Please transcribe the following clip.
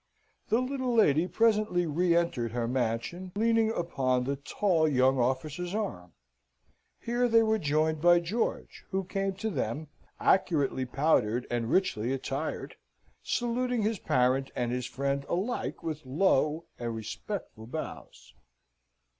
The little lady presently re entered her mansion, leaning upon the tall young officer's arm. Here they were joined by George, who came to them, accurately powdered and richly attired, saluting his parent and his friend alike with low and respectful bows.